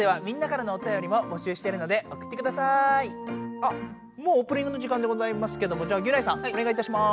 あっもうオープニングの時間でございますけどもじゃあギュナイさんおねがいいたします。